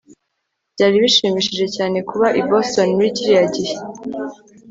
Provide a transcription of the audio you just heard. byari bishimishije cyane kuba i boston muri kiriya gihe